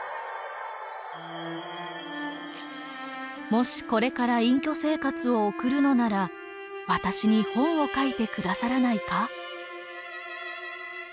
もしこれから隠居生活を送るのなら私に本を書いて下さらないか。